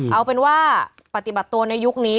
เอาเป็นว่าปฏิบัติตัวในยุคนี้